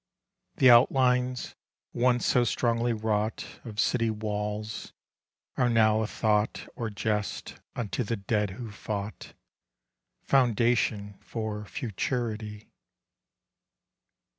The outlines, once so strongly wrought, Of city walls, are now a thought Or jest unto the dead who fought ... Foundation for futurity.